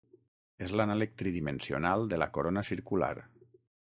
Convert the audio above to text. És l'anàleg tridimensional de la corona circular.